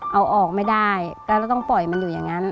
เอาออกไม่ได้ก็จะต้องปล่อยมันอยู่อย่างนั้น